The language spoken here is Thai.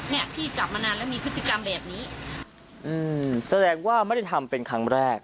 เนี่ยพี่จับมานานแล้วมีพฤติกรรมแบบนี้อืมแสดงว่าไม่ได้ทำเป็นครั้งแรก